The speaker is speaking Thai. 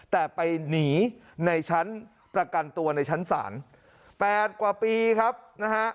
แต่ไปหนีในชั้นประกันตัวในชั้นศาล๘กว่าปีครับนะฮะ